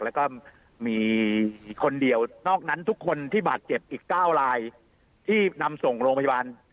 แล้วก็มีคนเดียวนอกนั้นทุกคนที่บาดเจ็บอีก๙ลายที่นำส่งโรงพยาบาล